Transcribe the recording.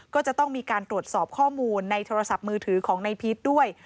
ก็จะต้องมีการตรวจสอบข้อมูลในโทรศัพท์มือถือของนายพีชด้วย